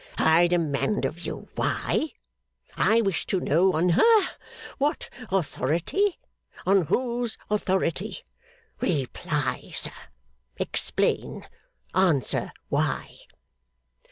I demand of you, why? I wish to know on ha what authority, on whose authority. Reply sir. Explain. Answer why.